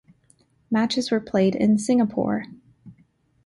Matches were played in Singapore.